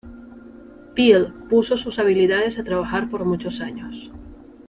Peale puso sus habilidades a trabajar por muchos años.